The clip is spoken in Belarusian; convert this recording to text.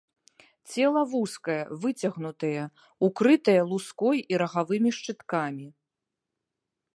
Цела вузкае, выцягнутае, укрытае луской і рагавымі шчыткамі.